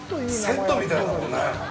セットみたいだもんね。